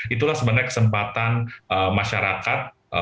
itulah sebenarnya kesempatan masyarakat